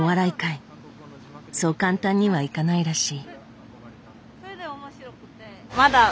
そう簡単にはいかないらしい。